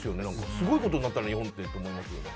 すごいことになったな日本って思いますよね。